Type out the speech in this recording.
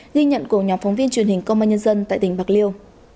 ghi nhận của nhóm phóng viên truyền hình công an nhân dân tại tỉnh bạc liêu